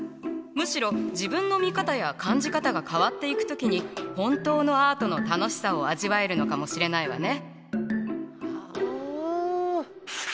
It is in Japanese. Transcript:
むしろ自分の見方や感じ方が変わっていく時に本当のアートの楽しさを味わえるのかもしれないわね。